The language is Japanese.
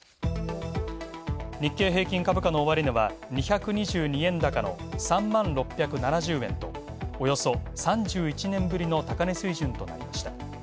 日経平均株価の終値は２２２円高の３万６７０円とおよそ３１年ぶりの高値水準となりました。